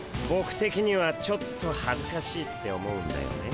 てきにはちょっとはずかしいって思うんだよね。